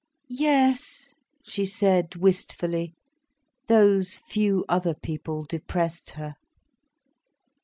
"Yes," she said wistfully. Those "few other people" depressed her.